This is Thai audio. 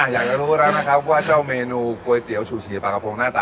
อยากจะรู้แล้วนะครับว่าเจ้าเมนูกลโกะเตี๋ยวชูชีกับพลง